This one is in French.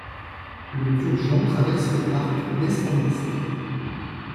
Le Durgeon traverse le parc d'est en ouest.